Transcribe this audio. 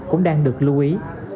cũng đang được lưu ý